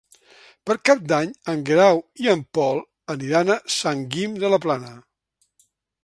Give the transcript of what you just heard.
Per Cap d'Any en Guerau i en Pol aniran a Sant Guim de la Plana.